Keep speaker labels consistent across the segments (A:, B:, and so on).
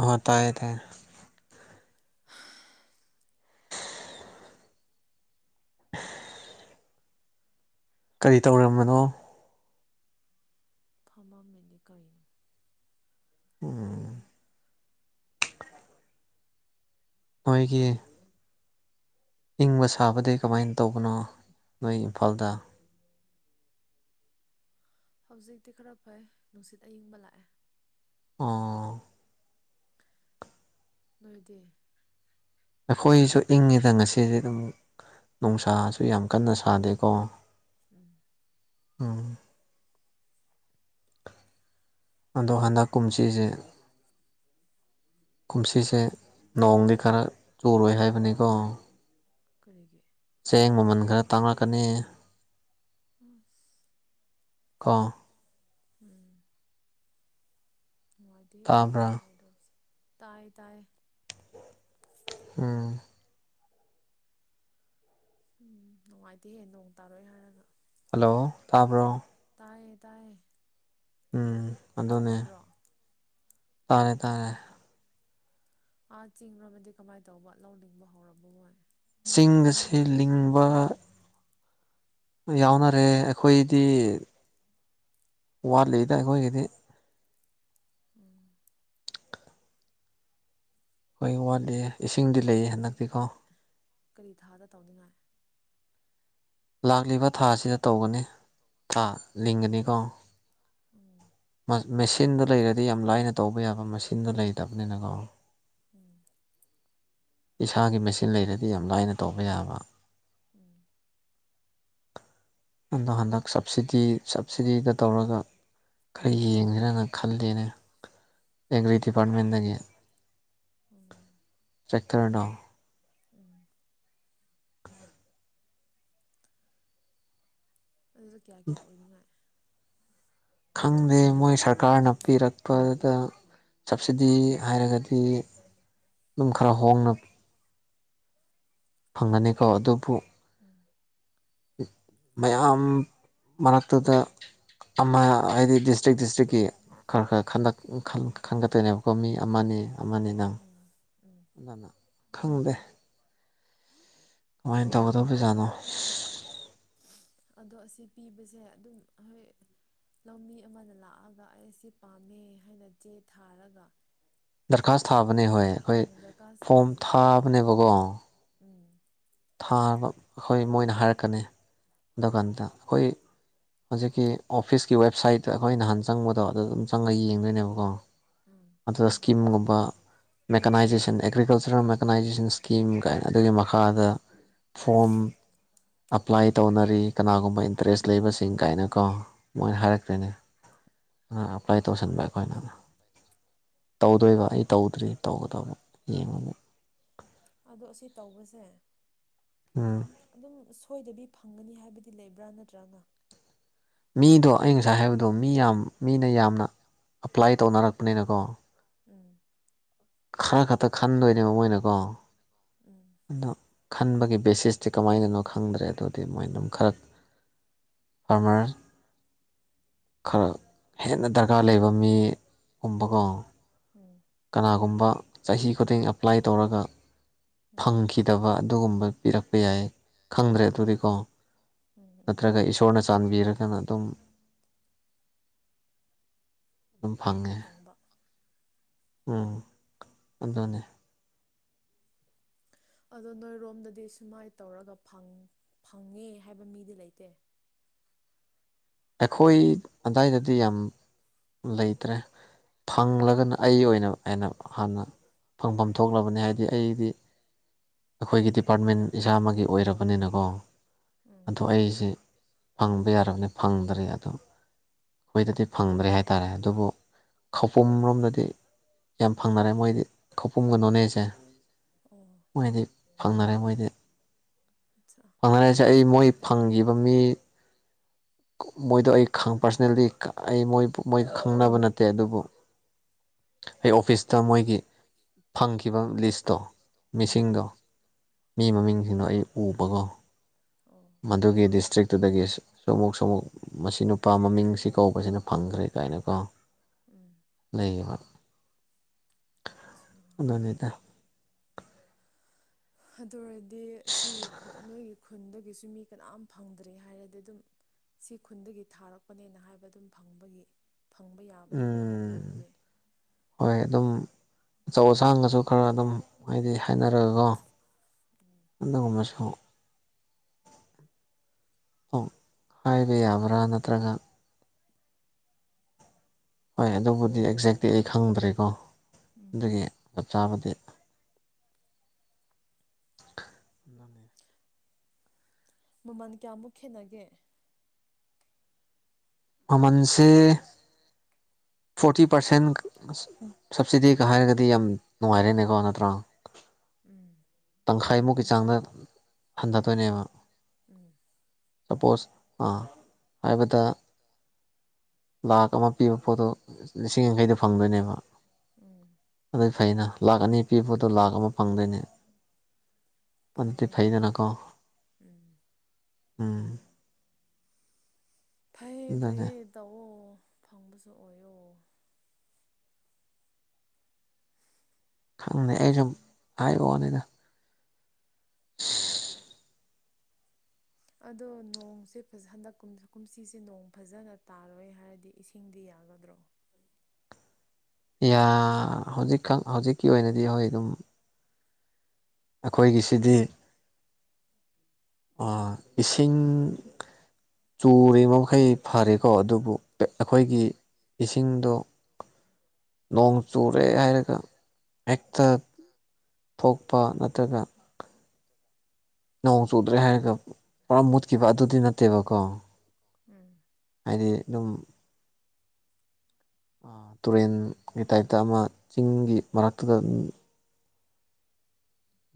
A: ꯑꯣ ꯇꯥꯏꯌꯦ ꯇꯥꯏꯌꯦ
B: [inaudible]
A: ꯀꯔꯤ ꯇꯧꯔꯝꯕꯅꯣ
B: ꯐꯝ ꯃꯝꯃꯤꯅꯤ ꯀꯩꯅꯣ
A: ꯎꯝ ꯅꯣꯏꯒꯤ ꯏꯪꯕ ꯁꯥꯕꯗꯤ ꯀꯃꯥꯏꯅ ꯇꯧꯕꯅꯣ ꯅꯣꯏ ꯏꯝꯐꯥꯜꯗ [inaudible]
B: ꯍꯧꯖꯤꯛꯇꯤ ꯈꯔ ꯐꯩ ꯅꯨꯡꯁꯤꯠ ꯑꯏꯪꯕ ꯂꯥꯛꯑꯦ
A: ꯑꯣ
B: ꯅꯣꯏꯗꯤ
A: ꯑꯩꯈꯣꯏꯁꯨ ꯏꯪꯉꯤꯗ ꯉꯁꯤꯗꯤ ꯑꯗꯨꯝ ꯅꯨꯡꯁꯥꯁꯨ ꯌꯥꯝ ꯀꯟꯅ ꯁꯥꯗꯦꯀꯣ
B: ꯎꯝ
A: ꯎꯝ ꯑꯗꯣ ꯍꯟꯗꯛ ꯀꯨꯝꯁꯤꯁꯦ ꯀꯨꯝꯁꯤꯁꯦ ꯅꯣꯡꯗꯤ ꯈꯔ ꯆꯨꯔꯣꯏ ꯍꯥꯏꯕꯅꯤꯀꯣ
B: ꯀꯔꯤꯒꯤ
A: ꯆꯦꯡ ꯃꯃꯜ ꯈꯔ ꯇꯥꯡꯉꯛꯀꯅꯤ
B: ꯑꯁ
A: ꯀꯣ
B: ꯎꯝ ꯅꯨꯡꯉꯥꯏꯗꯤ
A: ꯇꯥꯕ꯭ꯔꯥ
B: ꯅꯣꯡꯇꯗꯕꯁꯤ ꯇꯥꯏ ꯇꯥꯏ
A: ꯎꯝ
B: ꯎꯝ ꯅꯨꯡꯉꯥꯏꯇꯦꯍꯦ ꯅꯣꯡ ꯇꯥꯔꯣꯏ ꯍꯥꯏꯔꯒ
A: ꯍꯜꯂꯣ ꯇꯥꯕ꯭ꯔꯣ
B: ꯇꯥꯏꯌꯦ ꯇꯥꯏꯌꯦ
A: ꯎꯝ ꯑꯗꯨꯅꯦ
B: ꯇꯥꯗꯕ꯭ꯔꯣ
A: ꯇꯥꯔꯦ ꯇꯥꯔꯦ
B: ꯑꯥ ꯆꯤꯡꯔꯣꯝꯗꯗꯤ ꯀꯃꯥꯏꯅ ꯇꯧꯕ ꯂꯧꯂꯤꯡꯕ ꯍꯧꯔꯕ ꯃꯣꯏ
A: ꯆꯤꯡꯗꯁꯦ ꯂꯤꯡꯕ ꯌꯥꯎꯅꯔꯦ ꯑꯩꯈꯣꯏꯗꯤ ꯋꯥꯠꯂꯤꯗ ꯑꯩꯈꯣꯏꯒꯤꯗꯤ
B: ꯎꯝ
A: ꯑꯩꯈꯣꯏ ꯋꯥꯠꯂꯤꯌꯦ
B: ꯑꯗꯨꯗꯤ ꯀ ꯀꯔꯤ ꯊꯥꯗ ꯇꯧꯅꯤꯡꯉꯥꯏ
A: ꯂꯥꯛꯂꯤꯕ ꯊꯥ ꯑꯁꯤꯗ ꯇꯧꯒꯅꯤ ꯊꯥ ꯂꯤꯡꯒꯅꯤꯀꯣ
B: ꯎꯝ
A: ꯃꯥ ꯃꯦꯁꯤꯟꯗꯣ ꯂꯩꯔꯗꯤ ꯌꯥꯝ ꯂꯥꯏꯅ ꯇꯧꯕ ꯌꯥꯕ ꯃꯁꯤꯟꯗꯣ ꯂꯩꯇꯕꯅꯤꯅꯀꯣ
B: ꯎꯝ
A: ꯏꯁꯥꯒꯤ ꯃꯦꯁꯤꯟ ꯂꯩꯔꯗꯤ ꯌꯥꯝ ꯂꯥꯏꯅ ꯇꯧꯕ ꯌꯥꯕ
B: [inaudible]
A: ꯑꯗꯣ ꯍꯟꯗꯛ ꯁꯕꯁꯤꯗꯤ ꯁꯕꯁꯤꯗꯤꯗ ꯇꯧꯔꯒ ꯈꯔ ꯌꯦꯡꯖꯤꯔꯅ ꯈꯜꯂꯤꯅꯦ ꯑꯦꯒ꯭ꯔꯤ ꯗꯤꯄꯥꯔꯠꯃꯦꯟꯗꯒꯤ
B: ꯎꯝ
A: ꯆꯦꯛꯇꯔꯗꯣ
B: ꯎꯝ ꯑꯗꯨꯗ ꯀꯌꯥ ꯀꯌꯥ ꯑꯣꯏꯅꯤꯡꯉꯥꯏ
A: ꯈꯪꯗꯦ ꯃꯣꯏ ꯁꯔꯀꯥꯔꯅ ꯄꯤꯔꯛꯄꯗ ꯁꯞꯕꯁꯤꯗꯤ ꯍꯥꯏꯔꯒꯗꯤ ꯑꯗꯨꯝ ꯈꯔ ꯍꯣꯡꯅ ꯐꯪꯒꯅꯤꯀꯣ ꯑꯗꯨꯐꯨ
B: ꯎꯝ
A: ꯃꯌꯥꯝ ꯃꯔꯛꯇꯨꯗ ꯑꯃ ꯍꯥꯏꯗꯤ ꯗꯤꯁꯇ꯭ꯔꯤꯛ ꯗꯤꯁꯇ꯭ꯔꯤꯛꯀꯤ ꯈꯔ ꯈꯔ ꯈꯟꯒꯠ ꯈꯟ ꯈꯟꯒꯠꯇꯣꯏꯅꯦꯕꯀꯣ ꯃꯤ ꯑꯃꯅꯤ ꯑꯃꯅꯤ ꯅ
B: ꯎꯝ ꯎꯝ
A: ꯑꯗꯨꯅ ꯈꯪꯪꯗꯦ ꯀꯃꯥꯏꯅ ꯇꯧꯒꯗꯧꯕ ꯖꯥꯠꯅꯣ
B: ꯑꯗꯣ ꯑꯁꯤ ꯄꯤꯕꯖꯦ ꯑꯗꯨꯝ ꯍꯣꯏ ꯂꯧꯃꯤ ꯑꯃꯗ ꯂꯥꯛꯑꯒ ꯑꯩ ꯁꯤ ꯄꯥꯝꯃꯦ ꯍꯥꯏꯅ ꯆꯦ ꯊꯥꯔꯒ
A: ꯗꯔꯈꯥꯁ ꯊꯥꯕꯅꯦ ꯍꯣꯏ ꯑꯈꯣꯏ
B: ꯎꯝ ꯗꯔꯀꯥꯔ
A: ꯐꯣꯝ
B: ꯁꯥꯕꯗꯣ
A: ꯊꯥꯕꯅꯦꯕꯀꯣ
B: ꯎꯝ
A: ꯊꯥꯕ ꯍꯣꯏ ꯃꯣꯏꯅ ꯍꯥꯏꯔꯛꯀꯅꯤ ꯑꯗꯨ ꯀꯥꯟꯗ ꯈꯣꯏ ꯍꯧꯖꯤꯛꯀꯤ ꯑꯣꯐꯤꯁꯀꯤ ꯋꯦꯕꯁꯥꯏꯠꯇ ꯑꯩꯈꯣꯏ ꯅꯍꯥꯟ ꯆꯪꯕꯗꯣ ꯑꯗꯨ ꯑꯗꯨꯝ ꯆꯪꯉꯒ ꯌꯦꯡꯗꯣꯏꯅꯦꯕꯀꯣ ꯑꯗꯨꯗ ꯏꯁꯀꯤꯝꯒꯨꯝꯕ ꯃꯦꯀꯅꯥꯏꯖꯦꯁꯟ ꯑꯦꯒ꯭ꯔꯤꯀꯜꯆꯔꯦꯜ ꯃꯦꯀꯅꯥꯏꯖꯦꯁꯟ ꯁ꯭ꯀꯤꯝ ꯀꯥꯏꯅ ꯑꯗꯨꯒꯤ ꯃꯈꯥꯗ ꯐꯣꯝ ꯑꯄ꯭ꯂꯥꯏ ꯇꯧꯅꯔꯤ ꯀꯅꯥꯒꯨꯝꯕ ꯏꯟꯇꯔꯦꯁ ꯂꯩꯕꯁꯤ ꯁꯤꯡ ꯀꯥꯏꯅꯀꯣ ꯃꯣꯏ ꯍꯥꯏꯔꯛꯈ꯭ꯔꯤꯅꯤ ꯑꯥ ꯑꯦꯄ꯭ꯂꯥꯏ ꯇꯧꯕꯁꯟꯕ ꯑꯈꯣꯏꯅ
B: ꯑꯆꯥ
A: ꯇꯧꯗꯣꯏꯕ ꯑꯩ ꯇꯧꯗ꯭ꯔꯤ ꯇꯧꯒꯗꯕ ꯌꯦꯡꯉꯨꯕ
B: ꯑꯗꯣ ꯑꯁꯤ ꯇꯧꯕꯁꯓꯦ
A: ꯎꯝ
B: ꯑꯗꯨꯝ ꯁꯣꯏꯗꯕꯤ ꯐꯪꯒꯅꯤ ꯍꯥꯏꯕꯗꯤ ꯂꯩꯕ꯭ꯔꯥ ꯅꯠꯇ꯭ꯔꯥꯒ
A: ꯃꯤꯗꯣ ꯑꯩ ꯉꯁꯥꯏ ꯍꯥꯏꯕꯗꯣ ꯃꯤ ꯌꯥꯝ ꯃꯤꯅ ꯌꯥꯝꯅ ꯑꯄ꯭ꯂꯥꯏ ꯇꯧꯅꯔꯛꯄꯅꯤꯅꯀꯣ
B: ꯎꯝ
A: ꯈꯔ ꯈꯇ ꯈꯟꯗꯣꯏꯅꯦꯕ ꯃꯣꯏꯅꯀꯣ
B: ꯎꯝ
A: ꯑꯗꯣ ꯈꯟꯕꯒꯤ ꯕꯦꯁꯤꯁ ꯁꯤ ꯀꯃꯥꯏꯅꯅꯣ ꯈꯪꯗ꯭ꯔꯦ ꯑꯗꯨꯗꯤ ꯃꯣꯏ ꯑꯗꯨꯝ ꯈꯔ ꯐꯥꯔꯃꯔ ꯈꯔ ꯍꯦꯟꯅ ꯗꯔ ꯀꯥꯔ ꯂꯩꯕ ꯃꯤ ꯒꯨꯝꯕꯀꯣ
B: ꯎꯝ
A: ꯀꯅꯥꯒꯨꯝꯕ ꯕꯥ ꯆꯍꯤ ꯈꯨꯗꯤꯡ ꯑꯦꯄ꯭ꯂꯥꯏ ꯇꯧꯔꯒ
B: ꯎꯝ
A: ꯐꯪꯈꯤꯗꯕ ꯑꯗꯨꯒꯨꯝꯕ ꯄꯤꯔꯛꯄ ꯌꯥꯏ ꯈꯪꯗ꯭ꯔꯦ
B: ꯎꯝ
A: ꯑꯗꯨꯗꯤꯀꯣ
B: ꯎꯝ
A: ꯅꯠꯇ꯭ꯔꯒ ꯏꯁꯣꯔꯅ ꯆꯥꯟꯕꯤꯔꯒꯅ ꯑꯗꯨꯝ ꯑꯗꯨꯝ ꯐꯪꯉꯦ
B: ꯐꯪꯕ
A: ꯎꯝ ꯑꯗꯨꯅꯦ
B: ꯑꯗꯣ ꯅꯣꯏꯔꯣꯝꯗꯗꯤ ꯁꯨꯃꯥꯏ ꯇꯧꯔꯒ ꯐꯪ ꯐꯪꯉꯦ ꯍꯥꯏꯕ ꯃꯤꯗꯤ ꯂꯩꯇꯦ
A: [inaudible] ꯑꯩꯈꯣꯏ ꯑꯗꯥꯏꯗꯗꯤ ꯌꯥꯝ ꯂꯩꯇ꯭ꯔꯦ ꯐꯪꯂꯒꯅ ꯑꯩ ꯑꯣꯏꯅ ꯑꯦꯅ ꯍꯥꯟꯅ ꯐꯪꯐꯝ ꯊꯣꯛꯂꯕꯅꯤ ꯍꯥꯏꯗꯤ ꯑꯩꯗꯤ ꯑꯈꯣꯏꯒꯤ ꯗꯤꯄꯥꯔꯠꯃꯦꯟ ꯏꯁꯥ ꯃꯛꯒꯤ ꯑꯣꯏꯔꯕꯅꯤꯅꯀꯣ
B: ꯎꯝ
A: ꯑꯗꯣ ꯑꯩꯖꯦ ꯐꯪꯕ ꯌꯥꯔꯕꯅꯦ ꯐꯪꯗꯔꯦ ꯑꯗꯣ ꯑꯩꯈꯣꯏꯗꯗꯤ ꯐꯪꯗ꯭ꯔꯦ ꯍꯥꯏꯇꯥꯔꯦ ꯑꯗꯨꯕꯨ ꯈꯧꯄꯨꯝ ꯔꯣꯝꯗꯗꯤ ꯌꯥꯝ ꯐꯪꯅꯔꯦ ꯃꯣꯏꯗꯤ ꯈꯧꯄꯨꯝꯒ ꯅꯣꯅꯦꯁꯦ
B: ꯑꯣ
A: ꯃꯣꯏꯗꯤ ꯐꯪꯅꯔꯦ ꯃꯣꯏꯗꯤ
B: ꯑꯠꯆꯥ
A: ꯐꯪꯅꯔꯁꯦ ꯑꯩ ꯃꯣꯏ ꯐꯪꯈꯤꯕ ꯃꯤ ꯃꯣꯏꯗꯣ ꯑꯩ ꯄꯥꯔꯁꯅꯦꯜꯂꯤ ꯑꯩꯏ ꯃꯣꯏꯒ ꯈꯪꯅꯕ ꯅꯠꯇꯦ ꯑꯗꯨꯕꯨ ꯑꯩ ꯑꯣꯐꯤꯁꯇ ꯃꯣꯏꯒꯤ ꯐꯪꯈꯤꯕ ꯂꯤꯁꯇꯣ
B: ꯎꯝ
A: ꯃꯤꯁꯤꯡꯗꯣ ꯃꯤ
B: ꯎꯝ
A: ꯃꯃꯤꯡꯁꯤꯡꯗꯣ ꯑꯩ ꯎꯕꯒꯣ
B: ꯑꯣ
A: ꯃꯗꯨꯒꯤ ꯗꯤꯁꯇ꯭ꯔꯤꯛꯇꯨꯗꯒꯤ ꯁꯨꯃꯨꯛ ꯁꯨꯃꯨꯛ ꯃꯁꯤ ꯅꯨꯄꯥ ꯃꯃꯤꯡꯁꯤ ꯀꯧꯕꯁꯤꯅ ꯐꯪꯈ꯭ꯔꯦ ꯀꯥꯏꯅꯀꯣ
B: ꯎꯝ
A: ꯂꯩꯌꯦꯕ
B: ꯑꯠꯆꯥ
A: ꯑꯗꯨꯅꯤꯗ
B: ꯑꯗꯨ ꯑꯣꯏꯔꯗꯤ ꯁꯤ ꯈꯨꯟ ꯅꯣꯏꯒꯤ ꯈꯨꯟꯗꯒꯤꯁꯨ ꯃꯤ ꯀꯅꯥꯝ ꯐꯪꯗ꯭ꯔꯤ ꯍꯥꯏꯔꯗꯤ ꯑꯗꯨꯝ ꯁꯤ ꯈꯨꯟꯗꯒꯤ ꯊꯥꯔꯛꯄꯅꯦꯅ ꯍꯥꯏꯕ ꯑꯗꯨꯝ ꯐꯪꯕꯒꯤ ꯐꯪꯕ ꯌꯥꯕꯗꯤ ꯂꯩꯅꯤ ꯑꯗꯨ
A: ꯎꯝ
B: ꯑꯣꯏꯔꯗꯤ
A: ꯍꯣꯏ ꯑꯗꯨꯝ ꯑꯆꯧ ꯑꯁꯥꯡꯒꯁꯨ ꯈꯔ ꯑꯗꯨꯝ ꯍꯥꯏꯗꯤ ꯍꯥꯏꯅꯔꯒꯀꯣ ꯑꯗꯨꯒꯨꯝꯕꯁꯨ [inaudible] ꯑꯣ ꯍꯥꯏꯕ ꯌꯥꯕ꯭ꯔꯥ ꯅꯠꯇ꯭ꯔꯒ ꯍꯣꯏ ꯑꯗꯨꯕꯨꯗꯤ ꯑꯦꯛꯖꯦꯛꯇꯤ ꯑꯩ ꯈꯪꯗ꯭ꯔꯦꯀꯣ
B: ꯎꯝ
A: ꯑꯗꯨꯒꯤ ꯆꯕꯗꯤ
B: ꯃꯃꯜ ꯀꯌꯥꯃꯨꯛ ꯈꯦꯠꯅꯒꯦ
A: ꯃꯃꯜꯁꯦ ꯐꯣꯔꯇꯤ ꯄꯔꯁꯦꯟ ꯁꯕꯁꯤꯗꯤꯒ ꯍꯥꯏꯔꯒꯗꯤ ꯌꯥꯝ ꯅꯨꯡꯉꯥꯏꯔꯦꯅꯦꯀꯣ ꯅꯠꯇ꯭ꯔꯥ
B: ꯎꯝ
A: ꯈꯥꯏꯃꯨꯛꯀꯤ ꯆꯥꯡꯗ ꯍꯟꯊꯗꯣꯏꯅꯦꯕ
B: ꯎꯝ
A: ꯁꯄꯣꯁ ꯑꯥ ꯍꯥꯏꯕꯗ ꯂꯥꯛ ꯑꯃ ꯄꯤꯕ ꯄꯣꯠꯇꯣ ꯂꯤꯁꯤꯡ ꯌꯥꯡꯈꯩꯗ ꯐꯪꯗꯣꯏꯅꯦꯕ
B: ꯎꯝ
A: ꯑꯗꯨꯏ ꯐꯩꯅ ꯂꯥꯛ ꯑꯅꯤ ꯄꯤꯕꯗꯣ ꯂꯥꯛ ꯑꯃ ꯐꯪꯗꯣꯏꯅꯦ ꯑꯗꯨꯗꯤ ꯐꯩꯗꯅꯥꯀꯣ
B: ꯎꯝ
A: ꯎꯝ
B: ꯐꯩꯌꯦ
A: ꯑꯗꯨꯅꯦ
B: ꯐꯩꯌꯦꯦ ꯇꯧꯑꯣ ꯐꯪꯕꯁꯨ ꯑꯣꯏꯌꯣ
A: ꯈꯪꯅꯤ ꯑꯩ ꯁꯨꯝ ꯍꯥꯏꯕ ꯋꯅꯤꯗ ꯏꯁ
B: ꯑꯗꯣ ꯅꯣꯡꯁꯦ ꯍꯟꯗꯛ ꯀꯨꯝꯁꯤꯁꯦ ꯅꯣꯡ ꯐꯖꯅ ꯇꯥꯔꯣꯏ ꯍꯥꯏꯔꯗꯤ ꯏꯁꯤꯡꯗꯤ ꯌꯥꯒꯗ꯭ꯔꯣ
A: ꯌꯥ ꯍꯧꯖꯤꯛ ꯈꯛ ꯍꯧꯖꯤꯛꯀꯤ ꯑꯣꯏꯅꯗꯤ ꯍꯣꯏ ꯑꯗꯨꯝ ꯑꯩꯈꯣꯏꯒꯤꯁꯤꯗꯤ ꯑꯥ ꯏꯁꯤꯡ ꯆꯨꯔꯤ ꯃꯈꯩ ꯐꯔꯦꯀꯣ ꯑꯗꯨꯕꯨ
B: ꯎꯝ
A: ꯑꯩꯈꯣꯏꯒꯤ ꯏꯁꯤꯡꯗꯣ ꯅꯣꯡ ꯆꯨꯔꯦ ꯍꯥꯏꯔꯒ ꯍꯦꯛꯇ ꯊꯣꯛꯄ ꯅꯠꯇ꯭ꯔꯒ ꯅꯣꯡ ꯆꯨꯗ꯭ꯔꯦ ꯍꯥꯏꯔꯒ ꯄꯨꯔꯥ ꯃꯨꯠꯈꯤꯕ ꯑꯗꯨꯗꯤ ꯅꯠꯇꯦꯕꯀꯣ
B: ꯎꯝ
A: ꯍꯥꯏꯗꯤ ꯑꯗꯨꯝ ꯑꯥ ꯇꯨꯔꯦꯟꯒꯤ ꯇꯥꯏꯞꯇ ꯑꯃ ꯆꯤꯡꯒꯤ ꯃꯔꯛꯇꯨꯗ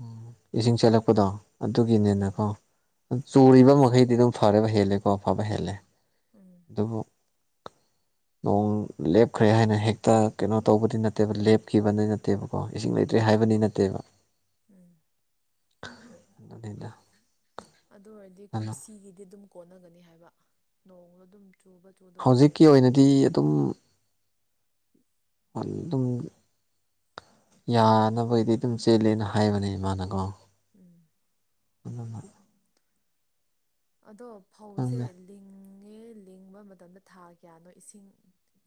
A: ꯑꯣ ꯏꯁꯤꯡ ꯆꯠꯂꯛꯄꯗꯣ
B: ꯎꯝ
A: ꯑꯗꯨꯒꯤꯅꯤꯅꯀꯣ
B: ꯂꯣꯛꯀꯤ
A: ꯆꯨꯔꯤꯕ
B: ꯏꯁꯤꯡ
A: ꯃꯈꯩꯗꯤ ꯑꯗꯨꯝ ꯐꯔꯦꯕ ꯍꯦꯜꯂꯦꯀꯣ ꯑꯐꯕ ꯍꯦꯜꯂꯦ
B: ꯎꯝ
A: ꯑꯗꯕꯨ ꯅꯣꯡ ꯂꯦꯞꯈ꯭ꯔꯦ ꯍꯥꯏꯅ ꯍꯦꯛꯇ ꯀꯩꯅꯣ ꯇꯧꯕꯗꯤ ꯅꯠꯇꯦꯕ ꯂꯦꯞꯈꯤꯕꯗꯤ ꯅꯠꯇꯦꯕꯀꯣ ꯏꯁꯤꯡ ꯂꯩꯇ꯭ꯔꯤ ꯍꯥꯏ ꯍꯥꯏꯕꯗꯤ ꯅꯠꯇꯦꯕ
B: ꯎꯝ
A: ꯑꯗꯨꯅꯤꯗ
B: ꯑꯗꯨ ꯑꯣꯏꯔꯗꯤ ꯀꯨꯝꯁꯤꯒꯤꯗꯤ ꯑꯗꯨꯝ ꯀꯣꯟꯅꯒꯅꯤ ꯍꯥꯏꯕ ꯅꯣꯡꯗꯣ ꯑꯗꯨꯝ ꯆꯨꯕ ꯆꯨꯗꯕ
A: ꯍꯧꯖꯤꯛꯀꯤ
B: ꯂꯩꯔꯁꯨ
A: ꯑꯣꯏꯅꯗꯤ ꯑꯗꯨꯝ ꯐꯜ ꯑꯗꯨꯝ ꯌꯥꯅꯕꯩꯗꯤ ꯑꯗꯨꯝ ꯆꯦꯜꯂꯦꯅ ꯍꯥꯏꯕꯅꯦ ꯏꯃꯥꯅꯀꯣ
B: ꯎꯝ
A: [unintelligible]
B: ꯑꯗꯣ ꯐꯧꯁꯦ
A: ꯈꯪꯗꯦ
B: ꯂꯤꯡ ꯪꯅꯦ ꯂꯤꯡꯕ ꯃꯇꯝꯗ ꯊꯥ ꯀꯌꯥꯅꯣ ꯏꯁꯤꯡ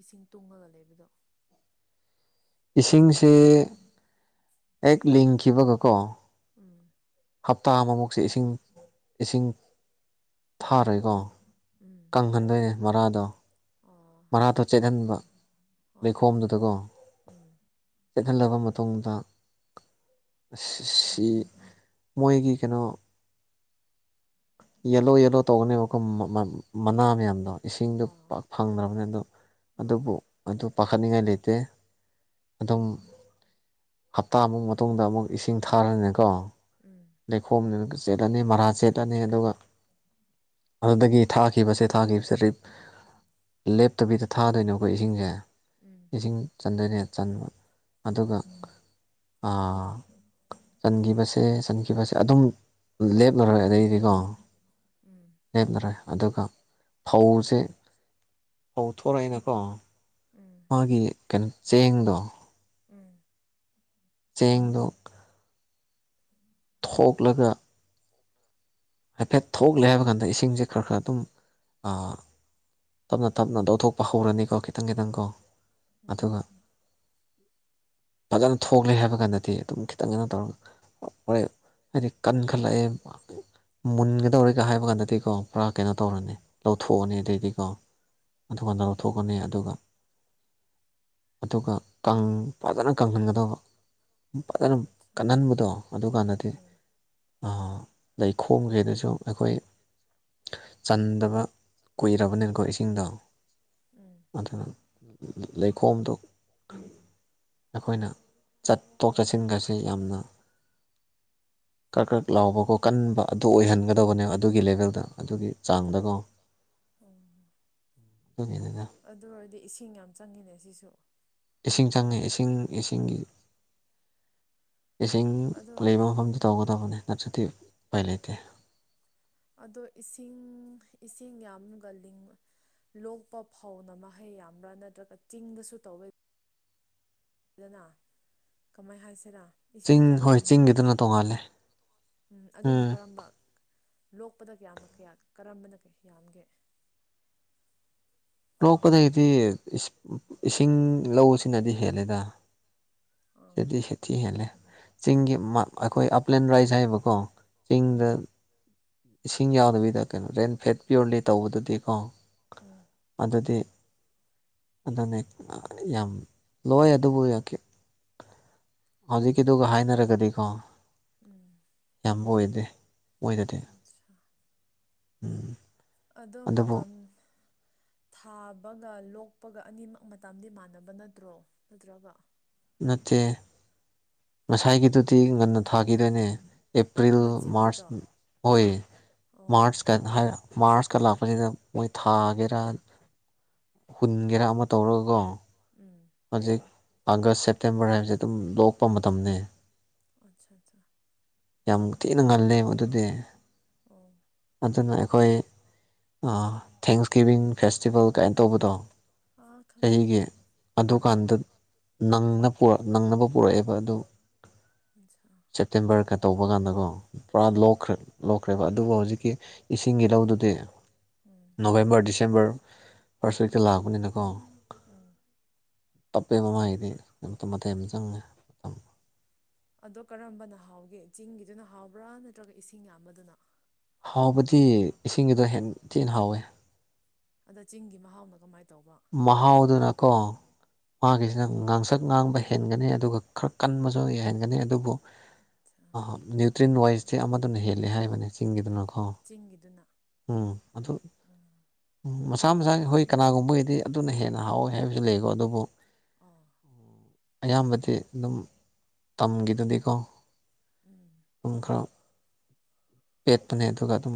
B: ꯏꯁꯤꯡ ꯇꯨꯡꯉꯒ ꯂꯩꯕꯗꯣ
A: [inaudible] ꯏꯁꯤꯡꯁꯦ ꯍꯦꯛ ꯂꯤꯡꯈꯤꯕꯒꯀꯣ
B: ꯎꯝ
A: ꯍꯞꯇꯥ ꯑꯃꯃꯨꯛꯁꯦ ꯏꯁꯤꯡ ꯏꯁꯤꯡ ꯊꯥꯔꯣꯏꯀꯣ
B: ꯎꯝ
A: ꯀꯪꯍꯟꯗꯣꯏꯅꯦ ꯃꯔꯥꯗꯣ
B: ꯑꯥ
A: ꯃꯔꯥꯊꯣ ꯆꯠꯍꯟꯕ
B: ꯑꯥ
A: ꯂꯩꯈꯣꯝꯗꯨꯗꯀꯣ
B: ꯎꯝ
A: ꯆꯦꯂꯕ ꯃꯇꯨꯡꯗ ꯁꯤ ꯃꯣꯏꯒꯤ ꯀꯩꯅꯣ ꯌꯦꯜꯂꯣ ꯌꯦꯜꯂꯣ ꯇꯧꯒꯅꯦꯕꯀꯣ ꯃꯅꯥ ꯃꯌꯥꯝꯗꯣ ꯏꯁꯤꯡꯗꯣ
B: ꯑꯥ
A: ꯐꯪꯗ꯭ꯔꯕꯅꯤ ꯑꯗꯣ
B: ꯑꯥ
A: ꯑꯗꯨꯕꯨ ꯑꯗꯨ ꯄꯥꯈꯠꯅꯤꯡꯉꯥꯏ ꯂꯩ ꯇꯦ ꯑꯗꯨꯝ ꯍꯞꯇꯥꯃꯨꯛ ꯃꯇꯨꯡꯗ ꯑꯃꯨꯛ ꯏꯁꯤꯡ ꯊꯥꯔꯅꯤꯀꯣ
B: ꯎꯝ
A: ꯂꯩꯈꯣꯝꯗꯨꯅ ꯆꯦꯠꯂꯅꯤ ꯃꯔꯥ ꯆꯦꯠꯂꯅꯤ ꯑꯗꯨꯒ ꯑꯗꯨꯗꯒꯤ ꯊꯥꯈꯤꯕꯁꯦ ꯊꯥꯈꯤꯕꯁꯦ ꯔꯤꯠ ꯂꯦꯞꯇꯕꯤꯗ ꯊꯥꯗꯣꯏꯅꯦꯀꯣ ꯏꯁꯤꯡꯖꯦ
B: ꯎꯝ
A: ꯏꯁꯤꯡ ꯆꯟꯗꯣꯏꯅꯦ ꯆꯟꯕ ꯑꯗꯨꯒ ꯑꯥ ꯆꯟꯈꯤꯕꯁꯦ ꯆꯟ ꯁꯦ ꯑꯗꯨꯝ ꯂꯦꯞꯂꯔꯣꯏ ꯑꯗꯩꯗꯤꯀꯣ
B: ꯎꯝ
A: ꯂꯦꯞꯂꯂꯣꯏ ꯑꯗꯨꯒ ꯐꯧꯁꯦ ꯐꯧ ꯊꯣꯔꯣꯏꯅ ꯀꯣ
B: ꯎꯝ
A: ꯃꯥꯒꯤ ꯀꯩꯅꯣ ꯆꯦꯡꯗꯣ
B: ꯎꯝ
A: ꯆꯦꯡꯗꯣ ꯊꯣꯛꯂꯒ ꯍꯥꯏꯐꯦꯠ ꯊꯣꯛꯂꯦ ꯍꯥꯏꯕ ꯀꯥꯟꯗ ꯏꯁꯤꯡꯁꯦ ꯈꯔ ꯈꯔ ꯑꯗꯨꯝ ꯇꯞꯅ ꯇꯞꯅ ꯂꯧꯊꯣꯛꯄ ꯍꯧꯔꯅꯤꯀꯣ ꯈꯤꯇꯪ ꯈꯤꯇꯪꯀꯣ
B: ꯎꯝ
A: ꯑꯗꯨꯒ ꯐꯖꯅ ꯊꯣꯛꯂꯦ ꯍꯥꯏꯕ ꯀꯥꯟꯗꯗꯤ ꯑꯗꯨꯝ ꯈꯤꯇꯪꯅ ꯇꯧꯔꯒ ꯍꯣꯏ ꯍꯥꯏꯗꯤ ꯀꯟꯈꯠꯂꯛꯑꯦ ꯃꯨꯟꯒꯗꯧꯔꯦ ꯍꯥꯏꯕ ꯅꯠꯇꯦꯀꯣ ꯄꯨꯔꯥ ꯀꯩꯅꯣ ꯇꯧꯔꯅꯤ
B: ꯇꯧꯔꯦ
A: ꯂꯧꯊꯣꯛꯑꯅꯤ
B: ꯎꯝ
A: ꯑꯗꯩꯗꯤꯀꯣ ꯑꯗꯨꯀꯥꯟꯗ
B: ꯎꯝ
A: ꯂꯧꯊꯣꯛꯀꯅꯤ ꯑꯗꯨꯒ ꯑꯗꯨꯒꯀꯪ ꯐꯖꯅ ꯀꯪꯍꯟꯒꯗꯧꯕ ꯐꯖꯅ
B: ꯑꯠꯆꯥ
A: ꯀꯟꯍꯟꯕꯗꯣ ꯑꯗꯨꯀꯥꯟꯗꯗꯤ ꯂꯩ ꯈꯣꯝꯗꯩꯗꯁꯨ ꯑꯩꯈꯣꯏ ꯆꯟꯗꯕ ꯀꯨꯏꯔꯕꯅꯤꯅꯀꯣ ꯏꯁꯤꯡꯗꯣ
B: ꯎꯝ ꯎꯝ
A: ꯑꯗꯨ ꯂꯩꯈꯣꯝꯗꯨ ꯑꯩꯈꯣꯏꯅ ꯆꯠꯊꯣꯛ ꯆꯠꯁꯤꯟꯒꯁꯦ ꯌꯥꯝꯅ ꯀꯔꯛ ꯀꯔꯛ ꯂꯥꯎꯕꯀꯣ ꯀꯟꯅ ꯑꯗꯨ ꯑꯣꯏꯍꯟꯒꯗꯕꯅꯦꯕ ꯑꯗꯨꯒꯤ ꯂꯦꯚꯦꯜꯗ ꯑꯗꯨꯒꯤ ꯆꯥꯡꯗꯀꯣ
B: ꯑꯣ
A: ꯑꯗꯨꯅꯤꯗꯅ
B: ꯑꯗꯨ ꯑꯣꯏꯔꯗꯤ ꯏꯁꯤꯡ ꯌꯥꯝ ꯆꯪꯉꯤꯅꯦ ꯁꯤꯁꯨ
A: ꯏꯁꯤꯡ ꯆꯪꯉꯦ ꯏꯁꯤꯡ ꯏꯁꯤꯡꯒꯤ ꯏꯁꯤꯡ
B: ꯑꯗꯣ
A: ꯂꯩꯕ ꯃꯐꯝꯗ ꯇꯧꯒꯗꯕꯅꯤ ꯅꯠꯇ꯭ꯔꯗꯤ ꯎꯥꯄꯏ ꯂꯩꯇꯦ
B: ꯑꯗꯣ ꯏꯁꯤꯡ ꯏꯁꯤꯡ ꯌꯥꯝꯒꯜꯂꯤꯡꯕ ꯂꯣꯛꯄ ꯐꯧꯅ ꯃꯍꯩ ꯌꯥꯝꯕ꯭ꯔꯥ ꯅꯠꯇ꯭ꯔꯒ ꯆꯤꯡꯗꯁꯨ ꯇꯧꯋꯦ ꯗꯅ ꯀꯃꯥꯏ ꯍꯥꯏꯁꯤꯔ ꯏꯁꯤꯡ
A: ꯆꯤꯡ
B: ꯀꯌꯥꯝ
A: ꯍꯣꯏ
B: ꯐꯪꯗꯕꯤꯗ
A: ꯆꯤꯡꯒꯤꯗꯨꯅ ꯇꯣꯡꯉꯥꯜꯂꯦ
B: ꯎꯝ ꯑꯗꯨꯅ ꯀꯔꯝꯕ ꯂꯣꯛꯄꯗ ꯀꯌꯥꯝꯅ ꯀꯌꯥ ꯀꯔꯝꯕꯅ ꯌꯥꯝꯒꯦ
A: ꯂꯣꯛꯄꯗꯒꯤꯗꯤ ꯏꯁꯤ ꯏꯁꯤꯡ ꯂꯧꯁꯤꯅꯗꯤ ꯍꯦꯜꯂꯦꯗꯥ
B: ꯑꯥ
A: ꯁꯤꯗꯊꯤ ꯁꯊꯤ ꯍꯦꯜꯂꯦ ꯆꯤꯡꯒꯤ ꯃꯥ ꯑꯈꯣꯏ ꯑꯄꯂꯦꯟ ꯔꯥꯏꯖ ꯍꯥꯏꯕꯀꯣ
B: ꯎꯝ
A: ꯆꯤꯡꯗ ꯏꯁꯤꯡ ꯌꯥꯎꯗꯕꯤꯗ ꯀꯩꯅꯣ ꯔꯦꯟ ꯐꯦꯛ ꯄꯤꯌꯣꯔꯂꯤ ꯇꯧꯕꯗꯨꯗꯤ ꯀꯣ
B: ꯎꯝ
A: ꯑꯗꯨꯗꯤ ꯑꯗꯨꯅꯦ ꯌꯥꯝ ꯂꯣꯏ ꯑꯗꯨꯕꯨ ꯌꯈꯤ ꯍꯧꯖꯤꯛꯀꯤꯗꯨꯒ ꯍꯥꯏꯅꯔꯒꯗꯤꯀꯣ
B: ꯎꯝ
A: ꯌꯥꯝ ꯑꯣꯏꯗꯦ ꯃꯣꯏꯗꯗꯤ
B: ꯑꯠꯁꯥ
A: ꯎꯝ
B: ꯑꯗꯣ
A: ꯑꯗꯨꯕꯨ
B: ꯃꯇꯝ ꯊꯥꯕꯒ ꯂꯣꯛꯄꯒ ꯑꯅꯤꯃꯛ ꯃꯇꯝꯗꯤ ꯃꯥꯟꯅꯕ ꯅꯠꯇ꯭ꯔꯣ ꯅꯠꯇ꯭ꯔꯒ
A: ꯅꯠꯇꯦ ꯉꯁꯥꯏꯒꯤꯗꯨꯗꯤ ꯉꯟꯅ ꯊꯥꯈꯤꯗꯣꯏꯅꯦ ꯑꯦꯄ꯭ꯔꯤꯜ
B: ꯑꯃ
A: ꯃꯥꯔꯆ
B: ꯆꯤꯡꯒꯤꯗꯣ
A: ꯑꯣꯏ
B: ꯑꯣ
A: ꯃꯥꯔꯆꯀ ꯍꯥꯏ ꯃꯥꯔꯁ ꯀ ꯂꯥꯛꯄꯖꯤꯗ ꯃꯣꯏ ꯊꯥꯒꯦꯔꯥ ꯍꯨꯟꯒꯦꯔꯥ ꯑꯃ ꯇꯧꯔꯒꯀꯣ
B: ꯎꯝ
A: ꯍꯧꯖꯤꯛ ꯑꯥꯒꯁ ꯁꯦꯞꯇꯦꯝꯕꯔ ꯍꯥꯏꯕꯖꯦ ꯑꯗꯨꯝ ꯂꯣꯛꯄ ꯃꯇꯝꯅꯦ
B: ꯑꯆꯥ ꯆꯥ
A: ꯌꯥꯝ ꯊꯤꯅ ꯉꯜꯂꯦ ꯑꯗꯨꯗꯤ
B: ꯑꯣ
A: ꯑꯗꯨꯅ ꯑꯩꯈꯣꯏ ꯑꯥ ꯊꯦꯡꯁꯒꯤꯕꯤꯡ ꯐꯦꯁꯇꯤꯚꯦꯜ ꯀꯥꯏꯅ ꯇꯧꯕꯗꯣ
B: ꯑꯥ ꯈꯪꯉꯦ
A: ꯆꯍꯤꯒꯤ
B: ꯈꯪꯉꯦ ꯑꯥ
A: ꯑꯗꯨꯀꯥꯟꯗ ꯅꯪꯅ ꯄꯨꯔꯛ ꯅꯪꯅꯕ ꯄꯨꯔꯛꯑꯦꯕ ꯑꯗꯨ
B: ꯑꯠꯁꯥ
A: ꯁꯦꯞꯇꯦꯝꯕꯔꯒ ꯇꯧꯕ ꯀꯥꯟꯗꯀꯣ ꯄꯨꯔꯥ
B: ꯎꯝ
A: ꯂꯣꯛꯈ꯭ꯔꯦ ꯂꯣꯛꯈ꯭ꯔꯦꯕ ꯑꯗꯨꯕꯨ ꯍꯧꯖꯤꯛꯀꯤ ꯏꯁꯤꯡꯒꯤ ꯂꯧꯗꯨꯗꯤ
B: ꯎꯝ
A: ꯅꯣꯕꯦꯝꯕꯔ ꯗꯤꯁꯦꯝꯕꯔ ꯐꯥꯔꯁ ꯋꯤꯛꯇ ꯂꯥꯛꯄꯅꯤꯅꯀꯣ
B: ꯎꯝ
A: ꯇꯞꯄꯦꯕ ꯃꯥꯒꯤꯗꯤ ꯃꯇꯝ ꯌꯥꯝ ꯆꯪꯉꯦ
B: ꯑꯗꯣ ꯀꯔꯝꯕꯅ ꯍꯥꯎꯒꯦ ꯆꯤꯡꯒꯤꯗꯨꯅ ꯍꯥꯎꯕ꯭ꯔꯥ ꯅꯠꯇ꯭ꯔꯒ ꯏꯁꯤꯡ ꯌꯥꯝꯕꯗꯨꯅ
A: ꯍꯥꯎꯕꯗꯤ ꯏꯁꯤꯡꯒꯤꯗꯣ ꯍꯦꯟ ꯊꯤꯅ ꯍꯥꯎꯋꯦ
B: ꯑꯗꯣ ꯆꯤꯡꯒꯤ ꯃꯍꯥꯎꯅ ꯀꯃꯥꯏ ꯇꯧꯕ
A: ꯃꯍꯥꯎꯗꯨꯅ ꯀꯣ ꯃꯥꯒꯤꯁꯤꯅ ꯉꯥꯡꯁꯛ ꯉꯥꯡꯕ ꯍꯦꯟꯒꯅꯤ ꯑꯗꯨꯒ ꯈꯔ ꯀꯟꯕꯖꯨ ꯍꯦꯟꯒꯅꯤ ꯑꯗꯨꯕꯨ
B: ꯑꯠꯁꯥ
A: ꯑꯍ ꯅ꯭ꯌꯨꯇ꯭ꯔꯤꯟ ꯋꯥꯏꯁꯇꯤ ꯑꯃꯗꯨꯅ ꯍꯦꯜꯂꯦ ꯍꯥꯏꯕꯅꯦ ꯆꯤꯡꯒꯤꯗꯨꯅ ꯑꯣ
B: ꯆꯤꯡꯒꯤꯗꯨꯅ
A: ꯎꯝ ꯑꯗꯨ
B: ꯆꯤꯡꯒꯤꯗꯨꯅ ꯎꯝ
A: ꯎꯝ ꯃꯁꯥ ꯃꯁꯥ ꯍꯣꯏ ꯀꯅꯥꯒꯨꯝꯕꯒꯤ ꯑꯗꯨꯅ ꯍꯦꯟꯅ ꯍꯥꯎꯋꯦ ꯍꯥꯏꯕꯖꯨ ꯂꯩꯀꯣ ꯑꯗꯨꯕꯨ
B: ꯑꯣ
A: ꯑꯌꯥꯝꯕꯗꯤ ꯑꯗꯨꯝ ꯇꯝꯒꯤꯗꯨꯗꯤꯀꯣ
B: ꯎꯝ
A: ꯑꯗꯨꯝ ꯈꯔ ꯄꯦꯠꯄꯅꯦ ꯑꯗꯨꯒ ꯑꯗꯨꯝ